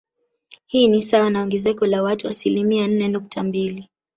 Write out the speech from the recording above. Hii ni sawa na ongezeko la watu asilimia nne nukta mbili